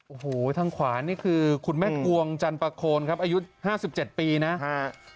โอ้โหทางขวานี่คือคุณแม่กวงจันปะโคนครับอายุ๕๗ปีนะฮะ